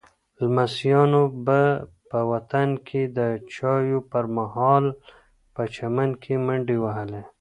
لمسیانو به په وطن کې د چایو پر مهال په چمن کې منډې وهلې.